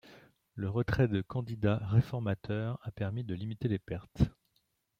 Le retrait de candidats réformateurs a permis de limiter les pertes.